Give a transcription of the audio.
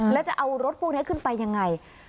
แล้วจะเอารถพูดถ้วนให้ขึ้นไปยังไง